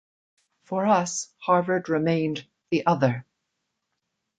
For us, Harvard remained 'the other.